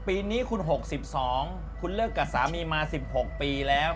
ปีนี้คุณ๖๒คุณเลิกกับสามีมา๑๖ปีแล้ว